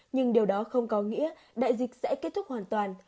nhưng điều đó không có nghĩa đại dịch sẽ kết thúc hoàn toàn